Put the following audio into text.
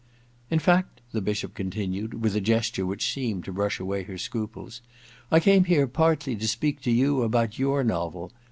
* In fact,' the Bishop continued, with a gesture which seemed to brush away her scruples, * I came here partly to speak to you about your novel.